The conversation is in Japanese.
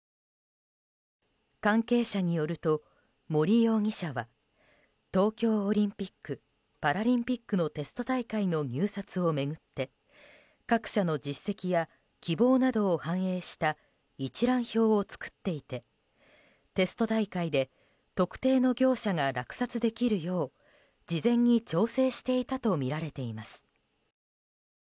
関係者によると、森容疑者は東京オリンピック・パラリンピックのテスト大会の入札を巡って各社の実績や希望などを反映した一覧表を作っていてテスト大会で特定の業者が落札できるよう事前に調整していたとみられています。